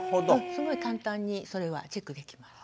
すごい簡単にそれはチェックできます。